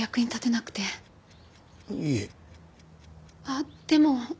あっでも。